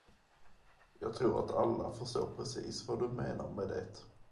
Jag tror att alla förstår precis vad du menar med det.